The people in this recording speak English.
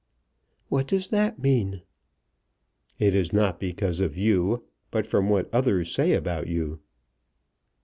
"What does that mean?" "It is not because of you; but from what others say about you."